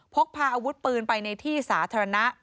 พกพาอาวุธปืนไปในที่สาธารณะ